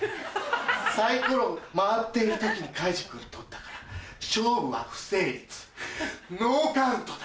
サイコロ回ってる時にカイジ君取ったから勝負は不成立ノーカウントだ。